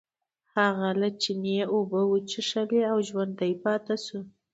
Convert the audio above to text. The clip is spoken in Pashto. هغه له چینې اوبه وڅښلې او ژوندی پاتې شو.